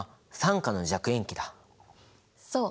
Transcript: そう。